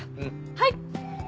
はい！